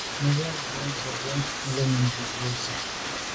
Me ba we ze be me lem ju mbwe Nsi à.